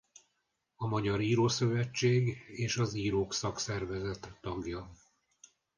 A Magyar Írószövetség és az Írók Szakszervezet tagja.